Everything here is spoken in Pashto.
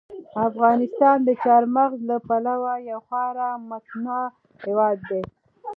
افغانستان د چار مغز له پلوه یو خورا متنوع هېواد دی.